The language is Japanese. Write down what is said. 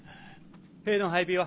兵の配備は？